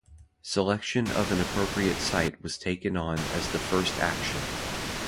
Selection of an appropriate site was taken on as the first action.